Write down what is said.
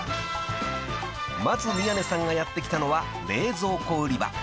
［まず宮根さんがやって来たのは冷蔵庫売り場］